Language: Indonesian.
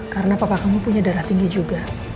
karena papa kamu punya darah tinggi juga